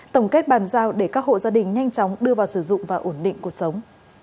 tổng kết bàn giao để các hộ gia đình nhanh chóng đưa vào sử dụng và ổn định cuộc sống